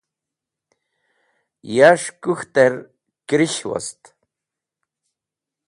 Yas̃h kũk̃htẽr kẽrish wost.